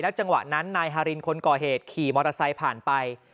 จังหวะนั้นนายฮารินคนก่อเหตุขี่มอเตอร์ไซค์ผ่านไป